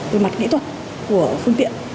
về mặt kỹ thuật của phương tiện